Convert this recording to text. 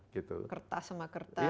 kertas sama kertas